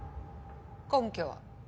根拠は？